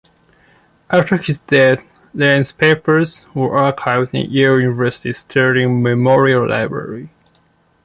After his death, Lane's papers were archived in Yale University's Sterling Memorial Library.